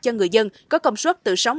cho người dân có công suất từ sáu mươi